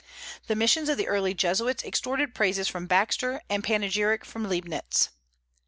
The missions of the early Jesuits extorted praises from Baxter and panegyric from Liebnitz.